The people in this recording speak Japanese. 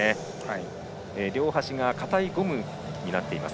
両端が硬いゴムになっています。